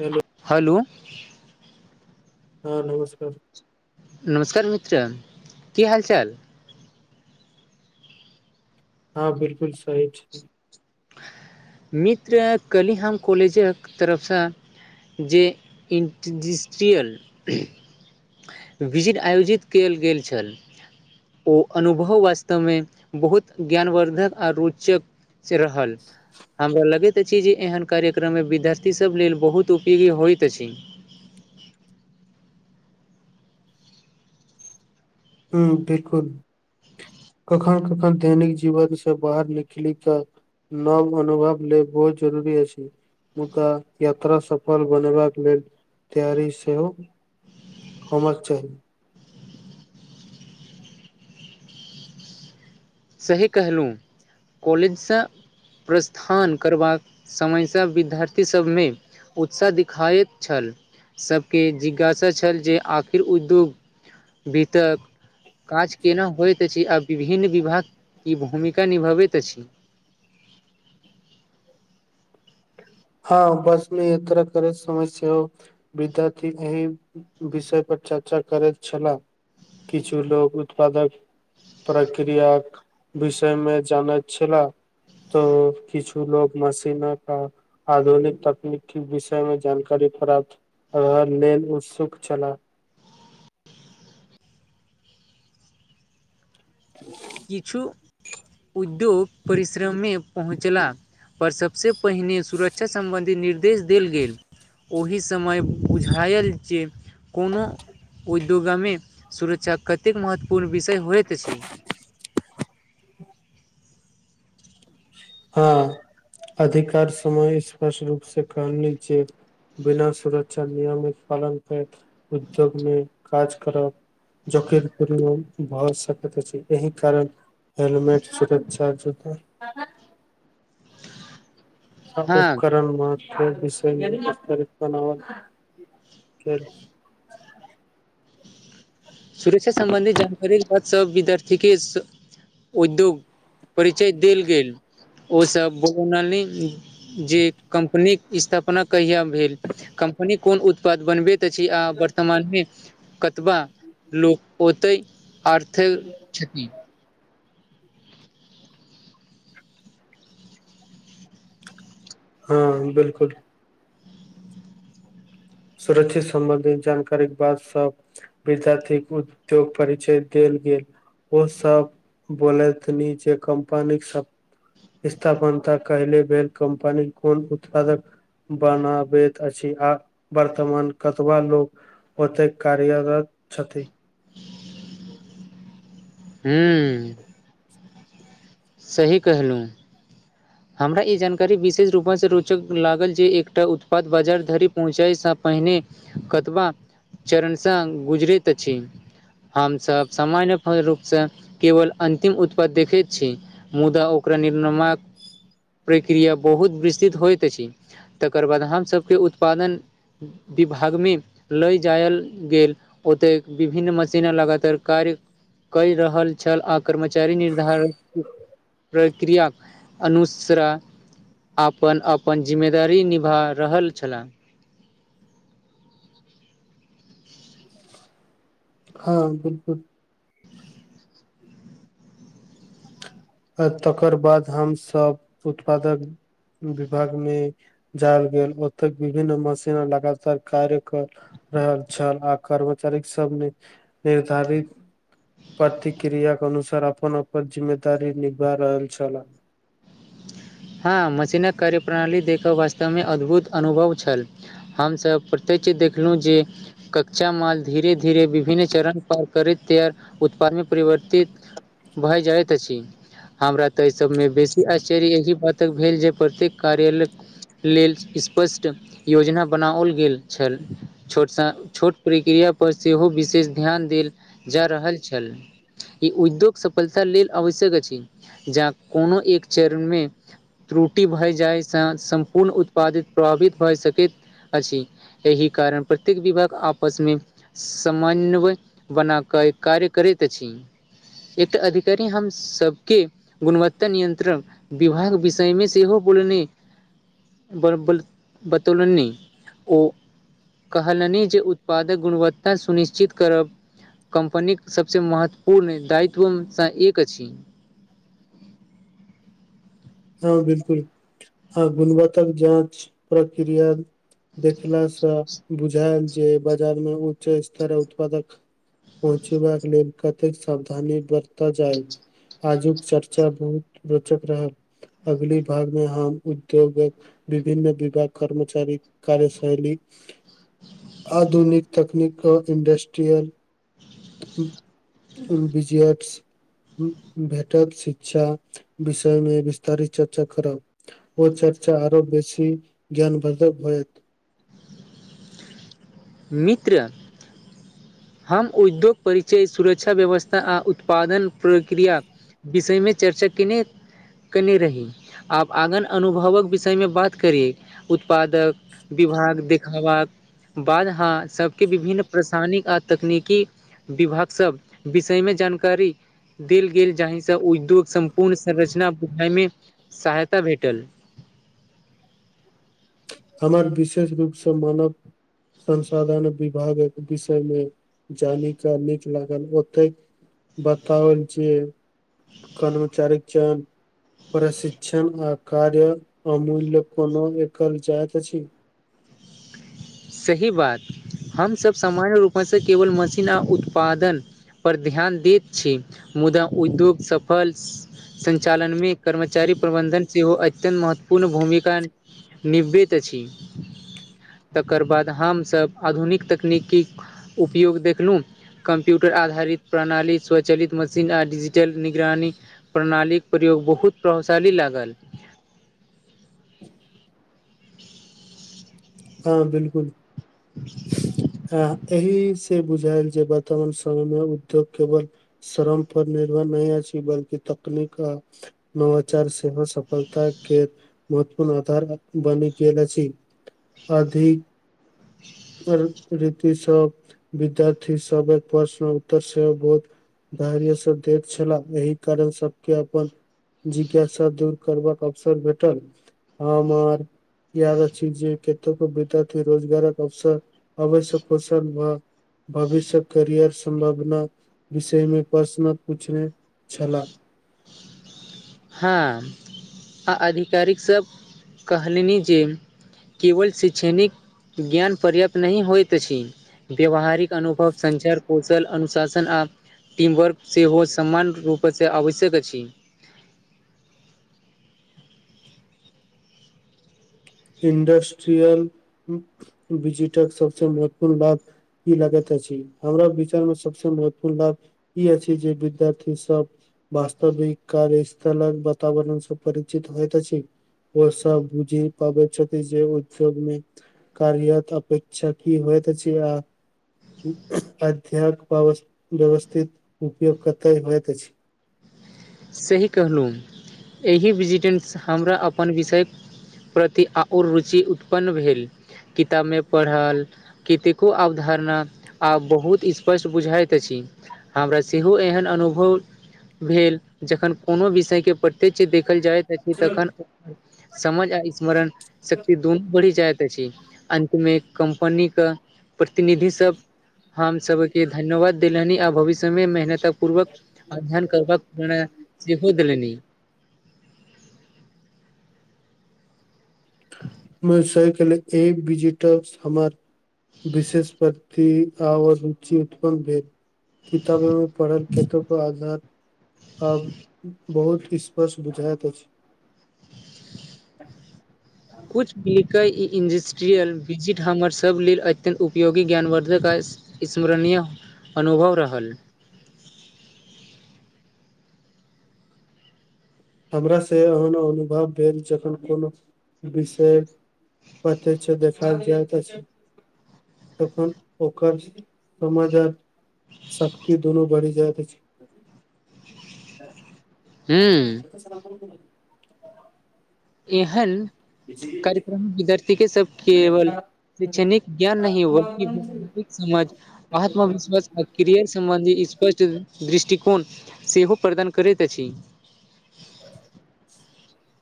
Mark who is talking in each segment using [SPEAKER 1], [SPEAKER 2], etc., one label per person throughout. [SPEAKER 1] Hello
[SPEAKER 2] hello
[SPEAKER 1] हँ नमस्कार
[SPEAKER 2] नमस्कार मित्र की हाल चाल
[SPEAKER 1] हँ बिलकुल सही छै
[SPEAKER 2] मित्र कलीहम कॉलेजक तरफसँ जे इन्टजस्ट्रियल विजिट आयोजित कयल गेल छल ओ अनुभव वास्तव मे बहुत ज्ञानवर्द्धक आ रोचक क रहल हमरा लगैत अछि जे एहन कार्यक्रम मे विद्यार्थी सब लेल बहुत उपयोगी होयइत अछि
[SPEAKER 1] हँ बिलकुल कखन कखन दैनिक जीवनसँ बाहर निकली तऽ नव अनुभव ले बहुत जरूरी अछि [unintelligible] यात्रा सफल बनेबाका लेल तैयारी सेहो होमक चाही
[SPEAKER 2] सही कहलहुँ कॉलेजस प्रस्थान करबाक समयसँ विद्यार्थीसभमे उत्साह दिखाइत छल सबके जिज्ञासा छल जे आखिर उद्योग बितक काज केना होइत अछि आ विभिन्न विभाग कि भूमिका निभबैत अछि
[SPEAKER 1] हँ बसमे इ तरह करै [unintelligible] समस्य हो विद्यार्थी एहि विषय पर चर्चा करैत छलाह किछु लोग उत्पादक प्रक्रियाक विषय मे जानैत छला तो किछु लोग मशीनक आधुनिक तकनीक के विषय में जानकारी प्राप्त रह लेन उत्सुक छलला त [inaudible]
[SPEAKER 2] किछु उद्योग परिश्रममे पहुँचला पर सबसे पहिने सुरक्षा सम्बन्धी निर्देश देल गेल ओहि समय बुझायल जे कोनो उद्योगामि सुरक्षाक कतेक महत्वपूर्ण विषय होइत अछि
[SPEAKER 1] हँ अधिकार समय स्पष्ट रूप से कह ली जे बिना सुरक्षा नियम पालन कर उद्योगमे काज करब जोकर पूर्ण भय सकत अछि एहि कारण हेलमेट सुरक्छा जत आ
[SPEAKER 2] हाँ,
[SPEAKER 1] उपकरण म विषय्तित बना ख
[SPEAKER 2] सुरक्षा सम्बन्धी जानकारी ल सब विद्यार्थीे के उद्योग परिचय देल गेल ओसभ [unintelligible] जे कंपनीक स्थापना कहिया भेल कंपनी कोन उत्पाद बनबैत छै आ वर्तमान मे कतबा लोक ओतै आर्थ छती
[SPEAKER 1] हँ बिलकुल सुरक्षित सम्बन्धित जानकारी के बाद सब विद्यार्थी क उद्योग परिचय देल गेल, ओ सब बोले थनी जे कम्पनी सब स्थापनता कले भेल कम्पनीक कोन उत्पादक बनाबैत अछि आ वर्तमान कतबा लोग ओते कार्यरत छथि
[SPEAKER 2] हू सही कहलो हमरा ई जानकारी विशेष रूपससँ रोचक लागल जे एकटा उत्पाद बाजार धरि पहुँचैसँ पहिने। कतबा चरणसँ गुजरैत अछि हमसब सामान्य रूपसँ केवल अन्तिम उत्पाद देखैत छी मुदा ओकरा निर्णमयक प्रक्रिया बहुत विस्तृत होइत अछि तकर बाद हम सभ के उत्पादन विभागमे लए जायल गेल ओतय विभिन्न मशीने लगातार कार्य केय रहल छल आ कर्मचारी निर्धारित प्रक्रिया अनुस्रा अपन अपन जिम्मेदारी निभा रहल छलाह
[SPEAKER 1] हँ बिलकुल तकर बाद हमसभ उत्पादक विभाग मे जायल गेल ओते विभिन्न मशीन लगातार कार्य कर रहल छल आ कर्मचारी सबमे निर्धारित ' प्रतिक्रिय के अनुसार अपन अपन जिम्मेदारी निभा रहल छलाह
[SPEAKER 2] हँ मशीनक कार्यप्रणाली देखऽ वास्तवमे अद्भुत अनुभव छल हमसब प्रत्येक्षित देखलहुँ जे, कच्चा माल धीरे धीरे विभिन्न चरण पर करैत तैयर उत्पादमे परिवर्तित, भाए जाइत अछि हमरा ते एहि सब मे बेसी आश्चर्य एहि तक भेल जे प्रत्येक कार्यालयक लेल स्पष्ट योजना बनाओल गेल छल ' छोट सा छोट प्रक्रिया पर सेहो विशेष ध्यान देल जा रहल छल ई उद्योग सफलता लेल आवश्यक अछि जा कोनो एक चरण मे त्रुटि भए जायसँ सम्पूर्ण उत्पादित प्रभावित भए सकैत अछि एहि कारण प्रत्येक विभाग आपसमे समन्वय बना कऽ कार्य करैत अछि एकटा अधिकारी हम सबके गुणवत्ता नियंत्रण। विवाहक विषयमे सेहो बोलननी बतौ लनि नहि ओ [unintelligible] कहलनि जे उत्पादक गुणवत्ता सुनिश्चित करब। कम्पनीक सभसँ महत्वपूर्ण दायित्वसँ एक अछि
[SPEAKER 1] हँ बिलकुल ह गुणवताक जाँच प्रक्रिया देखलासँ बुझायल जे बाजारमे उच्च स्तर उत्पादक पहुँचेबाक लेल कतेक सावधानी बरत आजु चर्चा बहुत रोचक रहल अगली भागमे हम उद्योगक विभिन्न विभाग कर्मचारी कार्यशैली आधुनिक तकनीकके इंडस्ट्रियल बीजी एक्स भेटत शिक्षा विषय मे चर्चा करा देलकब ओ चर्चा आरो बेसी ज्ञान बाधक होएत
[SPEAKER 2] मित्र हम उद्योग परिचय सुरक्षा व्यवस्था आ उत्पादन प्रक्रिया विषयमे चर्चा केने कने रही आब आङ्गन अनुभवक विषयमे बात करी उत्पादक विभाग देखबाक बाद हां सबके विभिन्न रासायनिक आ तकनीकी विभाग सब विषय मे जानकारी देल गेल जाहिसँ उद्योग सम्पूर्ण संरचना बुझाइ मे सहायता भेटल
[SPEAKER 1] हमर विशेष रूपसँ मानव संसाधन विभागक विषय मे जानिका नीक लागल ओतै बताउल जे कर्मचारीक चयन प्रशिक्षण आ कार्य अमूल्य कोनो एकल जेत अछि
[SPEAKER 2] सही बात हमसभ सामाय रूपे सँ केवल मशीन आ उत्पादन पर ध्यान दीत छी मुदा उद्योग सफल संचालनमे कर्मचारी प्रबंधन सेहो अत्यन्त महत्वपूर्ण भूमिका निवृत अछि तकर बाद हमसभ आधुनिक तकनीकीक उपयोग देखलहुँ कम्प्यूटर आधारित प्रणाली स्वचलित मशीन आ डिजिटल निगरानी प्रणालीक प्रयोग बहुत प्रभावशाली लागल [unintelligible]
[SPEAKER 1] हँ बिलकुल हँ एहि से बुझायल जे वर्तमान समय मे उद्योग केवल शरम पर निर्भर नहि अछि बल्कि तकनीक नवाचार सेहो सफलता के महत्वपूर्ण आधार बनि गेल अछि अधिक री [unintelligible] तिसभ विद्यार्थी सब प्रश्न उत्तर सेव बोध धैर्यसँ दैत छलाह एहि कारण सबके अपन जिज्ञासा दूर करबाक अवसर भेटल हमर याद अछी जे विद्यार्थी रोजगारक अवसर अवश्य प्रोसन व भविष्य करियर संभगना विषय मे प्रश्न पूछने छलाह
[SPEAKER 2] हँ आ आधिकारिकसभ कहलनि जे केवल शैक्षणिक ज्ञान पर्याप्त नहि होइत अछि व्यवहारिक अनुभव संचार कोष सल अनुशासन आ टीमवर्क सेहो सामान्य रूपसँ आवश्यक अछि
[SPEAKER 1] इंडस्ट्रियल बिजीटक सबसे महत्वपूर्ण लाभ ई लागैत अति हमरा विचार में सबस महत्वपूर्ण लाभ ई अछि जे विद्यार्थी सब वास्तविक कार्य स्थलक वातावरणसँ परिचित होइत अछि वै ऽ स बुझी पाबैत छथि जे उद्योग मे कार्या अपेक्षा की होइत अछि आ अध्यक व्यवस्थित उपयोग कतय होइत अछि
[SPEAKER 2] सही कहलहुँ एहि विजिटेन्स हमरा अपन विषय प्रति आओर रुचि उत्पन्न भेल किताब मे पढ़ल केतेको अवधारणा आब बहुत स्पष्ट बुझाइत अछि हाबरा सेहो एहन अनुभव भेल जखन कोनो विषय के प्रत्यक्ष देखल जाइत अछि तखन समझ आ स्मरण शक्ति दुनू बढ़ी जाइत अछि अन्तमे कम्पनी क प्रतिनिधि सब हम सब के धन्यवाद देलनि आ भविष्य मे मेहनत पूर्वक अध्ययन करबक प्रनय सेहो देलनि
[SPEAKER 1] [unintelligible] विशेष पर आ [unintelligible] रुचि उत्पन्न भेल किताब में पढ़ल खेत आधार आब बहुत स्पर्श बुझाइत अछि
[SPEAKER 2] कु मिलि [unintelligible] कय ई इंडस्ट्रियल विजिट हमरसभ लेल अत्यन्त उपयोगी ज्ञानवर्द्धक अछि स्मरणीय अनुभव रहल
[SPEAKER 1] हमरा से एहन अनुभव भेल जखन कोनो विषय पते छै देखायल जा तऽ तखन ओकर समाजात शक्ति दुनू बढ़ि जायइत छै
[SPEAKER 2] हू
[SPEAKER 1] [unintelligible]
[SPEAKER 2] एहन कार्यक्रम विद्यार्थी के सब केवल शैक्षणिक ज्ञान नहि बलि विक समझ आत्मविश्वास आ क्रियर सम्बन्धी स्पष्ट दृष्टिकोण सेहो प्रदान करैत अछि
[SPEAKER 1] [unintelligible]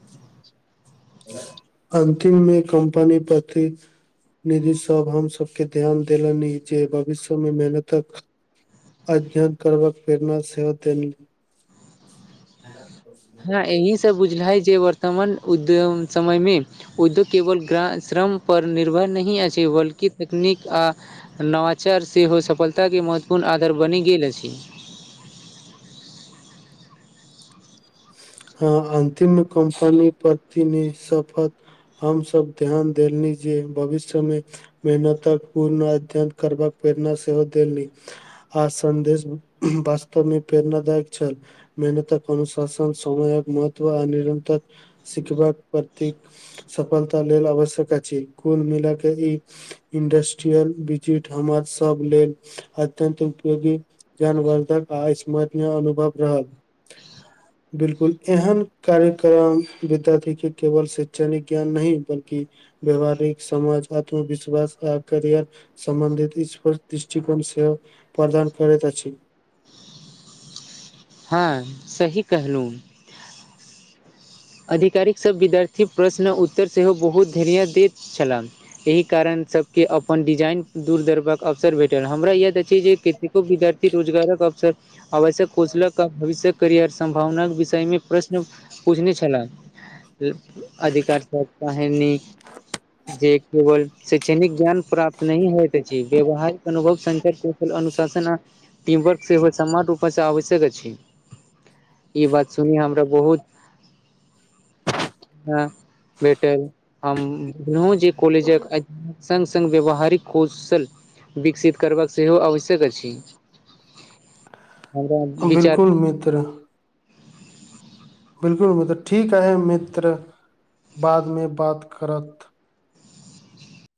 [SPEAKER 2] [unintelligible]
[SPEAKER 1] अन्तिममे कम्पनी प्रति निधि सब हम सभके ध्यान देलनि ई जे भविष्य मे मेहनतक अध्ययन करबाक प्रेरणा सेहोत
[SPEAKER 2] हँ यही सब बुझले जे वर्तमान उद्योम समय मे उद्योग केवल श्रम पर निर्भर नहि अछि बल्कि तकनीक आ नवाचार सेहो सफलताके महत्वपूर्ण आधार बनि गेल अछि
[SPEAKER 1] हँ अन्तिम कम्पनी परति न शपथ हमसभ ध्यान देली जे भविष्य मे मेहनतक पूर्ण अध्ययन करबाक प्रेरणा सेहो देल नी आ सन्देश वास्तव मे प्रेरणादायक छल मेहनतक अनुसार शन समयक महत्व आ निरन्तर शिखबाक प्रति सफलता लल आवश्यक अछि कुल मििल क ई इंडस्ट्रियल बिजिट हमर सब लेल अत्यन्त उपयोगी जनवर्धक आ्मरय अनुभव रहल बिलकुल एहन कार्यक्रम विद्यार्थी के केवल शै्षणिक ज्ञान नहि बल्कि व्यवहारिक समाज आत्मविश्वास आ करियर सम्बन्धित स्पष्ट दृष्टिकोन से प्रदान करैत अछि
[SPEAKER 2] हँ सही कहलहुँ आधिकारिकसभ विद्यार्थी प्रश्न उत्तर सेहो बहुत धर्य दैत छलाह एहि कारण सब के अपन डिजाइन दूर दड़ब अवसर भेटल हमरा य छै जे केतेको विद्यारथी रोजगारक अवसर आवश्यक कौशल क भविष्य करियर सं्भावना विषय मे प्रश्न पूछने छ ख अधिकार स काही जे केवल शैक्षणिक ज्ञान प्राप्त नहि होइत अछि व्यावहारिक अनुभव सं कुशल अनुशासन आ टीम वर्क सेहो समान रूप से आवश्यक अछि ई बात सुन हमरा बहुत ह भेटल हम बुझलहुँ जे कॉलेजक सङ्ग सङ्ग व्यावहारिक कौशल विकसित करबाक सेहो आवश्यक अछि हमरा विचारमे
[SPEAKER 1] कितर बिलकुल म्र ठीक है मित्र बादमे बात करत